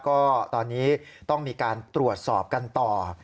ก็ตอนนี้ต้องมีการตรวจสอบกันต่อ